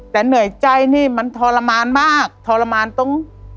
แต่เหนื่อยใจนี่มันทรมานมากทรมานตรง